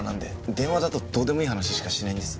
電話だとどうでもいい話しかしないんです。